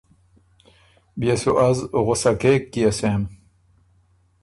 بيې سُو از غصۀ کېک کيې سېم؟